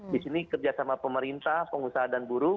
di sini kerja sama pemerintah pengusaha dan buruh